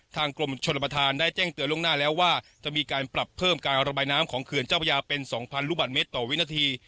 กรมชนประธานได้แจ้งเตือนล่วงหน้าแล้วว่าจะมีการปรับเพิ่มการระบายน้ำของเขื่อนเจ้าพระยาเป็น๒๐๐ลูกบาทเมตรต่อวินาที